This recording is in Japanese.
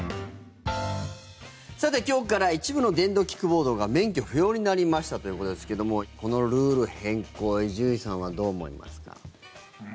さて、今日から一部の電動キックボードが免許不要になりましたということですけどもこのルール変更伊集院さんはどう思いますか？